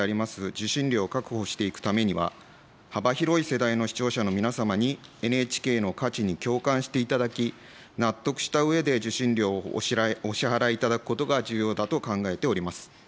受信料を確保していくためには、幅広い世代の視聴者の皆様に、ＮＨＫの価値に共感していただき、納得したうえで受信料をお支払いいただくことが重要だと考えております。